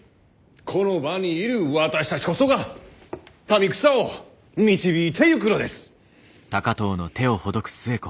この場にいる私たちこそが民草を導いていくのです！